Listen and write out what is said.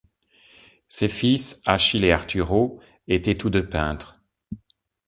Ses fils Achille et Arturo étaient tous deux peintres.